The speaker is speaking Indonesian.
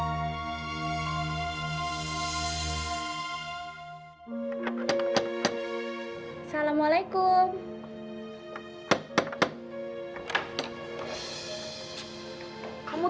udah ternyata kalau ayah tahu dan bu ridh untuk mau anjing